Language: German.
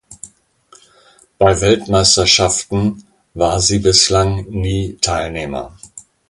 Bei Weltmeisterschaften war sie bislang nie Teilnehmer.